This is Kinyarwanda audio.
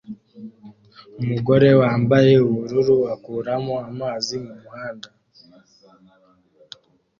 Umugore wambaye ubururu akuramo amazi mumuhanda